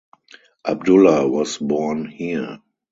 Abdullah was born here.